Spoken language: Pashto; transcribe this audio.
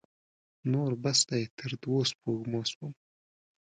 نور بس دی؛ تر دوو سپږمو سوم.